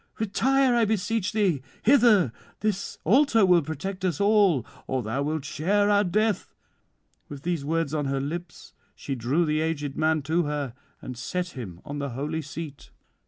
Retire, I beseech thee, hither; this altar will protect us all, or thou wilt share our death." With these words on her lips she drew the aged man to her, and set him on the holy seat.